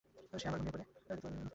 সে আবার ঘুমিয়ে পড়ে।